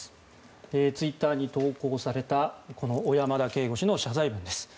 ツイッターに投稿されたこの小山田圭吾氏の謝罪文です。